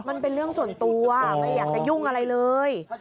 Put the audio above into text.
มันเป็นเรื่องส่วนตัวไม่อยากจะยุ่งอะไรเลย